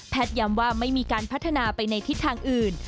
ย้ำว่าไม่มีการพัฒนาไปในทิศทางอื่น